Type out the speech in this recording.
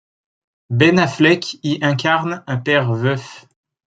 Ben Affleck y incarne un père veuf.